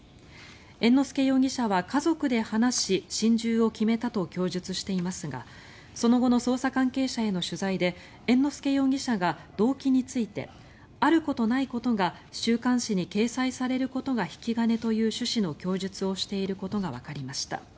猿之助容疑者は、家族で話し心中を決めたと供述していますがその後の捜査関係者への取材で猿之助容疑者が動機についてあることないことが週刊誌に掲載されることが引き金という趣旨の供述をしていることがわかりました。